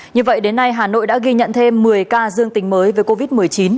như vậy đến nay hà nội đã ghi nhận thêm một mươi ca dương tính mới về covid một mươi chín